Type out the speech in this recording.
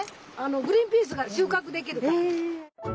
グリーンピースが収穫できるから。